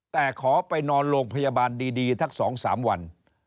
แต่ขอไปนอนโรงพยาบาลดีสัก๒๓วัน